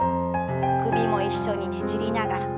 首も一緒にねじりながら。